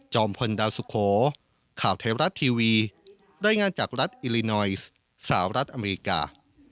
พลดาวสุโขข่าวเทวรัฐทีวีรายงานจากรัฐอิลินอยซ์สาวรัฐอเมริกา